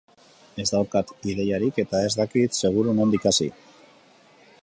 Ez daukat ideiarik eta ez dakit seguru nondik hasi.